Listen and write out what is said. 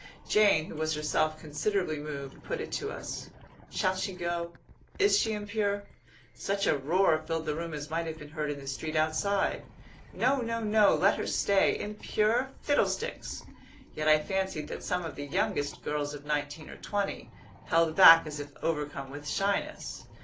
Jane, who was herself considerably moved, put it to us: "Shall she go? Is she impure?" Such a roar filled the room as might have been heard in the street outside. "No! No! No! Let her stay! Impure? Fiddlesticks!" Yet I fancied that some of the youngest, girls of nineteen or twenty, held back as if overcome with shyness.